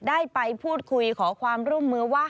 ได้ไปพูดคุยขอความร่วมมือว่า